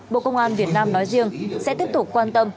bộ công an việt nam nói riêng sẽ tiếp tục quan tâm